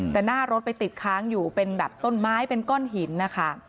แต่หน้ารถไปติดค้างอยู่เป็นแบบต้นไม้เป็นก้อนหินนะคะ